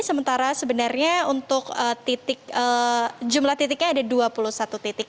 sementara sebenarnya untuk jumlah titiknya ada dua puluh satu titik